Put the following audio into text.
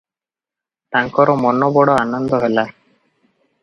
ତାଙ୍କର ମନ ବଡ଼ ଆନନ୍ଦ ହେଲା ।